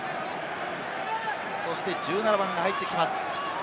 そして１７番が入ってきます。